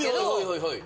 はいはい。